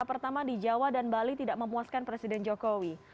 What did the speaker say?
pertama di jawa dan bali tidak memuaskan presiden jokowi